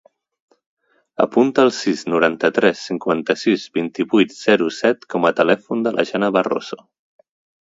Apunta el sis, noranta-tres, cinquanta-sis, vint-i-vuit, zero, set com a telèfon de la Jana Barroso.